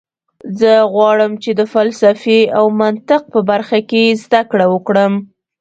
زه غواړم چې د فلسفې او منطق په برخه کې زده کړه وکړم